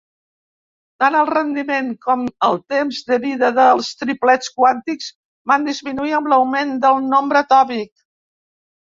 Tant el rendiment com el temps de vida dels triplets quàntics van disminuir amb l'augment del nombre atòmic.